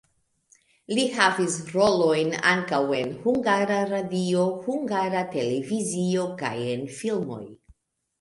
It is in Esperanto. Li havis rolojn ankaŭ en Hungara Radio, Hungara Televizio kaj en filmoj.